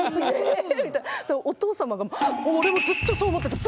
お父様が「俺もずっとそう思ってた！